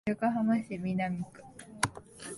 横浜市南区